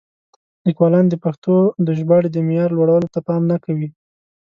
لیکوالان د پښتو د ژباړې د معیار لوړولو ته پام نه کوي.